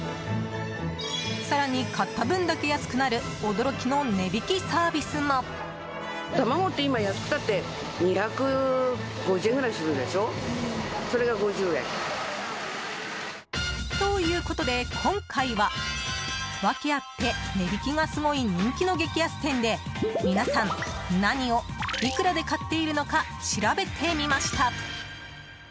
更に、買った分だけ安くなる驚きの値引きサービスも。ということで今回は訳あって値引きがすごい人気の激安店で皆さん、何をいくらで買っているのか調べてみました。